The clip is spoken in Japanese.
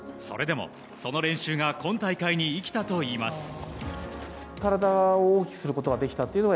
それでも、その練習が今大会に生きたといいます。